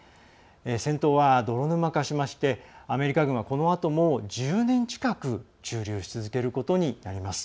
戦闘は泥沼化しましてアメリカ軍はこのあとも１０年近く駐留し続けることになります。